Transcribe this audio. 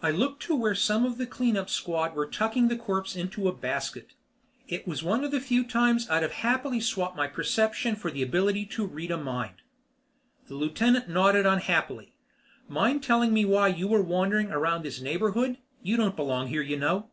I looked to where some of the clean up squad were tucking the corpse into a basket. "It was one of the few times I'd have happily swapped my perception for the ability to read a mind." The lieutenant nodded unhappily. "Mind telling me why you were wandering around in this neighborhood? You don't belong here, you know."